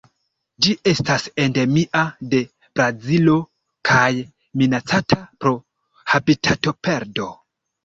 Ĝi estas endemia de Brazilo kaj minacata pro habitatoperdo.